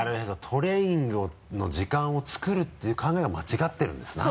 トレーニングの時間を作るっていう考えが間違ってるんですな？